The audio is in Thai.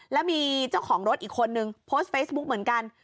แล้วมีเจ้าของรถอีกคนนึงโพสต์เฟซบุ๊กเหมือนกัน